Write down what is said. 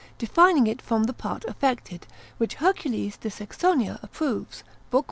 defining it from the part affected, which Hercules de Saxonia approves, lib. 1.